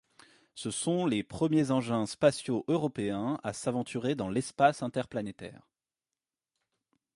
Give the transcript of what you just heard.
Ce sont les premiers engins spatiaux européens à s'aventurer dans l'espace interplanétaire.